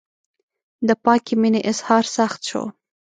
د پاکې مینې اظهار سخت شو.